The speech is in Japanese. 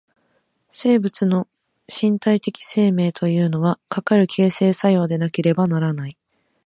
生物の身体的生命というのは、かかる形成作用でなければならない。